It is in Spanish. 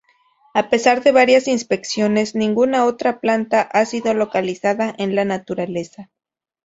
A pesar de varias inspecciones, ninguna otra planta ha sido localizada en la naturaleza.